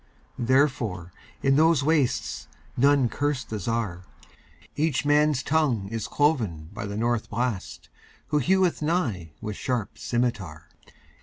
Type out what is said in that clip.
Therefore, in those wastesNone curse the Czar.Each man's tongue is cloven byThe North Blast, who heweth nighWith sharp scymitar.